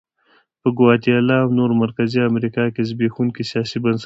په ګواتیلا او نورو مرکزي امریکا کې زبېښونکي سیاسي بنسټونه وو.